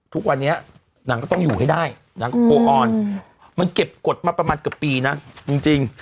ทุกวันนี้นางก็ต้องอยู่ให้ได้นางก็พอออนมันเก็บกฎมาประมาณเกือบปีนะจริง